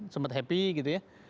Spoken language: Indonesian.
sempet happy gitu ya